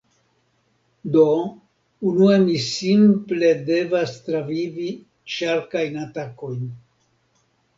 Do, unue mi simple devas travivi ŝarkajn atakojn.